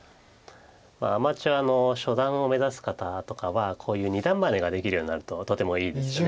アマチュアの初段を目指す方とかはこういう二段バネができるようになるととてもいいですよね。